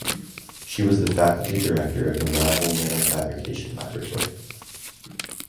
She was the faculty director of the Marvell Nanofabrication Laboratory.